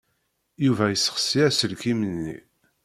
Yuba yesseɣsi aselkim-nni.